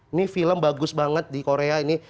ini film bagus banget di korea ini